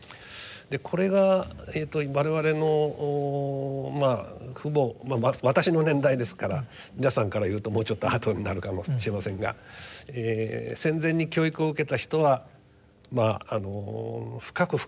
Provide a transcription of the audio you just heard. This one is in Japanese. これが我々の父母まあ私の年代ですから皆さんから言うともうちょっと後になるかもしれませんが戦前に教育を受けた人は深く深く体の中に入っていたものだと思いますね。